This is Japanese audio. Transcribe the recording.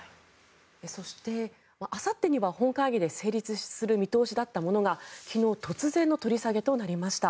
そしてあさってには本会議で成立する見通しだったものが昨日突然の取り下げとなりました。